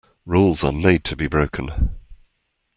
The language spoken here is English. Rules are made to be broken.